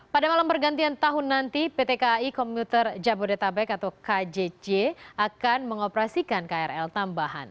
pada malam pergantian tahun nanti pt kai komuter jabodetabek atau kjc akan mengoperasikan krl tambahan